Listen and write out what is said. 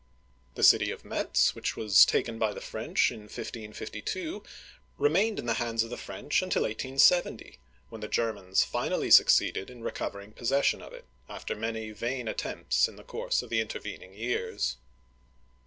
" The city of Metz, which was taken by the French in 1552, remained in the hands of the French until 1870, when the Germans finally succeeded in recovering posses sion of it, after many vain attempts in the course of the intervening years.